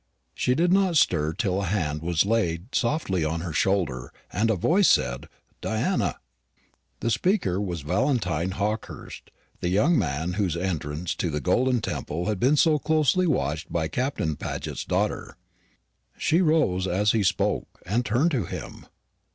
She did not stir till a hand was laid softly on her shoulder, and a voice said, "Diana!" The speaker was Valentine Hawkehurst, the young man whose entrance to the golden temple had been so closely watched by Captain Paget's daughter. She rose as he spoke, and turned to him.